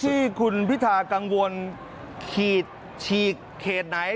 ที่คุณพิธากังวลขีดฉีกเขตไหน